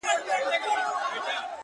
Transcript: وه ه سم شاعر دي اموخته کړم ـ